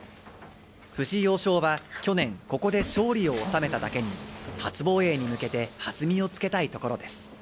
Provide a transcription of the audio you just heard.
藤井王将は去年、ここで勝利を収めただけに初防衛に向けて、はずみをつけたいところです。